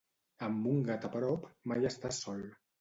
Amb un gat a prop, mai estàs sol.